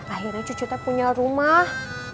akhirnya cucu tuh punya rumah